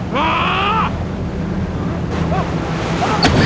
kembalikan putri dulu itu